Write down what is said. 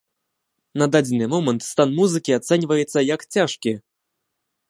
На дадзены момант стан музыкі ацэньваецца як цяжкі.